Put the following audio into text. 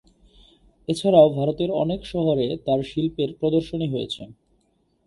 এছাড়াও ভারতের অনেক শহরে তার শিল্পের প্রদর্শনী হয়েছে।